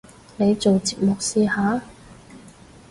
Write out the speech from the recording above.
你做節目試下